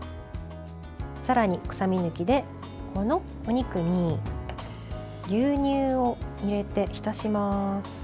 さらに臭み抜きでこのお肉に牛乳を入れて浸します。